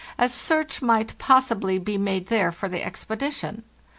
as search might possibly be made there for the expedition.